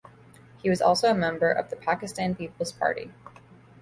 He was also a member of the Pakistan Peoples Party.